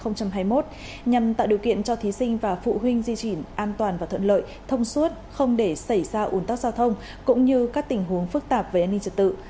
nhằm tạo điều kiện cho thí sinh và phụ huynh di chuyển an toàn và thuận lợi thông suốt không để xảy ra ủn tắc giao thông cũng như các tình huống phức tạp về an ninh trật tự